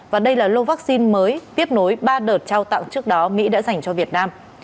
và đây là lô vaccine mới tiếp nối ba đợt trao tặng trước đó mỹ đã dành cho việt nam